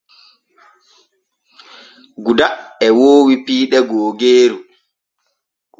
Guda e waawi piiɗe googeeru.